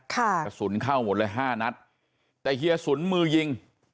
กระสุนเข้าหมดเลยห้านัดแต่เฮียสุนมือยิง